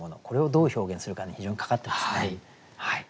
これをどう表現するかに非常にかかってますね。